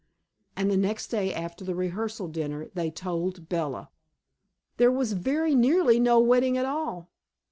And the next day after the rehearsal dinner, they told Bella! There was very nearly no wedding at all.